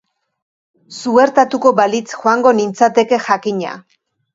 Suertatuko balitz, joango nintzateke, jakina!